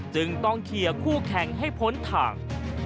จึงต้องเคลียร์คู่แข่งให้พ้นทาง